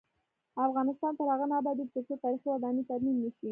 افغانستان تر هغو نه ابادیږي، ترڅو تاریخي ودانۍ ترمیم نشي.